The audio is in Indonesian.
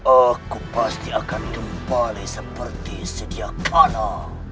aku pasti akan kembali seperti sediakana